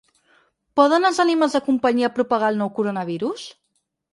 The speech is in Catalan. Poden els animals de companyia propagar el nou coronavirus?